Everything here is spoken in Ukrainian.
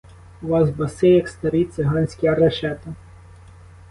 У вас баси, як старі циганські решета.